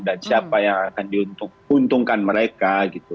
dan siapa yang akan diuntungkan mereka gitu